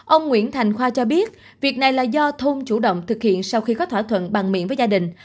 ông nguyễn thành khoa cho biết việc này là do thôn chủ động thực hiện sau khi có thỏa thuận bàn miệng với gia đình